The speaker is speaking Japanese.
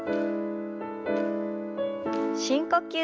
深呼吸。